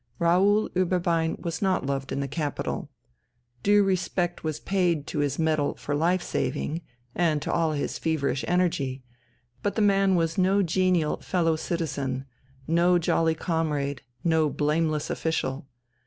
Raoul Ueberbein was not loved in the capital. Due respect was paid to his medal for life saving and to all his feverish energy, but the man was no genial fellow citizen, no jolly comrade, no blameless official.